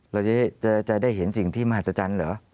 เราจะได้เห็นสิ่งที่มหัศจรรย์เหรอ